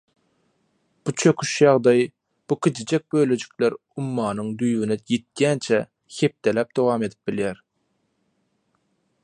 Bu çöküş ýagdaýy, bu kiçijek bölejikler ummanyň düýbüne ýetýänçä hepdeläp dowam edip bilýär.